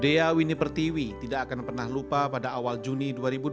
dea winipertiwi tidak akan pernah lupa pada awal juni dua ribu dua puluh